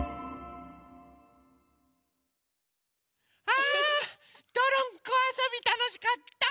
あどろんこあそびたのしかった！